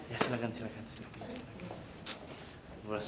ya silakan silakan silakan